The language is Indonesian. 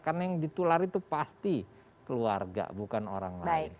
karena yang ditulari itu pasti keluarga bukan orang lain